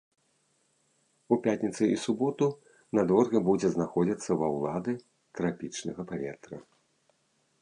У пятніцу і суботу надвор'е будзе знаходзіцца ва ўлады трапічнага паветра.